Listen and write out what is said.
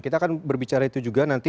kita akan berbicara itu juga nanti